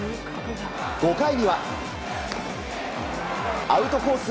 ５回にはアウトコース